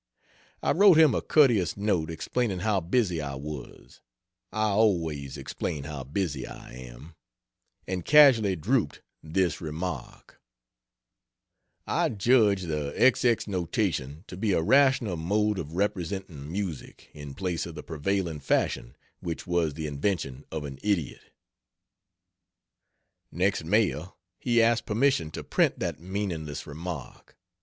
I wrote him a courteous note explaining how busy I was I always explain how busy I am and casually drooped this remark: "I judge the X X notation to be a rational mode of representing music, in place of the prevailing fashion, which was the invention of an idiot." Next mail he asked permission to print that meaningless remark.